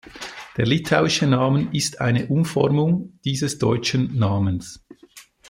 Der litauische Name ist eine Umformung dieses deutschen Namens.